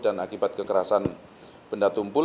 dan akibat kekerasan benda tumpul